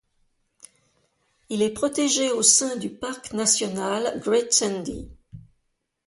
Il est protégé au sein du parc national Great Sandy.